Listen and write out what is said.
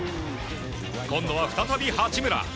今度は再び八村。